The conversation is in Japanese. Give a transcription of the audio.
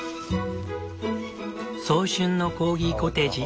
早春のコーギコテージ。